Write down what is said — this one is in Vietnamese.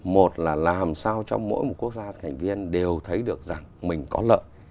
một là làm sao cho mỗi một quốc gia thành viên đều thấy được rằng mình có lợi